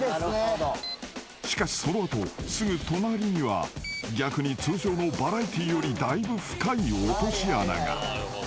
［しかしその後すぐ隣には逆に通常のバラエティーよりだいぶ深い落とし穴が］